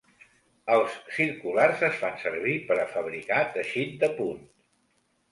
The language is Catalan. Els circulars es fan servir per a fabricar teixit de punt.